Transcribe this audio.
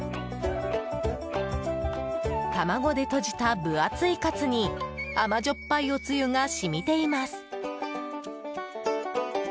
卵でとじた分厚いカツに甘じょっぱいおつゆが染みています。